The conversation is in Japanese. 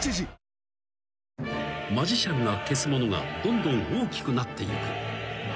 マジシャンが消すものがどんどん大きくなっていく。